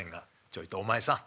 「ちょいとお前さん